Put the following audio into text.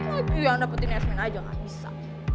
lagi yang dapetin yasmin aja gak bisa